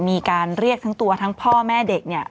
มีการเรียกทั้งตัวทั้งพ่อแม่เด็กเนี่ย